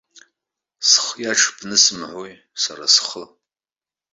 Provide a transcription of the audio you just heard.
Схы иаҽԥнысымҳәои, сара схы!